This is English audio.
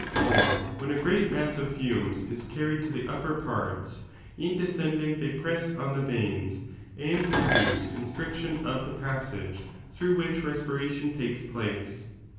For when a great mass of fumes is carried to the upper parts, in descending they press on the veins and produce constriction of the passage 14 through which respiration lakes place.